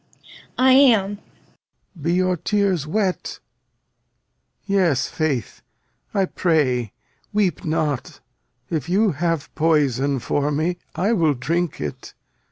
I am! Lear. Be your tears wet? Yes, faith. I pray weep not. If you have poison for me, I will drink it.